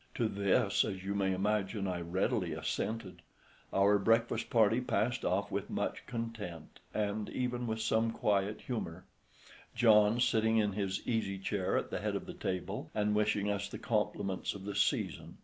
To this, as you may imagine, I readily assented. Our breakfast party passed off with much content, and even with some quiet humour, John sitting in his easy chair at the head of the table and wishing us the compliments of the season.